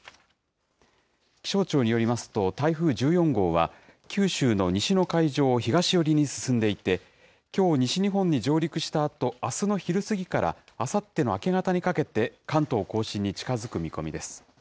気象庁によりますと、台風１４号は、九州の西の海上を東寄りに進んでいて、きょう西日本に上陸したあと、あすの昼過ぎからあさっての明け方にかけて関東甲信に近づく見込みです。